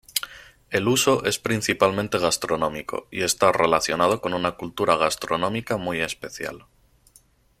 El uso es principalmente gastronómico y está relacionado con una cultura gastronómica muy especial.